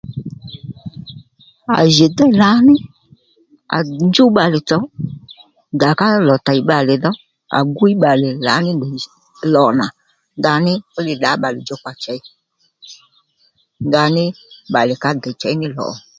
À jì déy lǎ ní à njúw bbalè tsò ndà ká lò tèy bbalè dhò à gwíy bbalè lǎ ní lò jì lò nà ndaní fú li ddǎ bbàlè djòkpa chěy ndaní bbalè ká dey chěy ní lò ò